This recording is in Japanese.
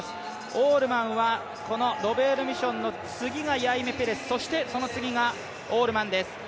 オールマンはこのロベール・ミションそしてヤイメ・ペレスそしてその次がオールマンです。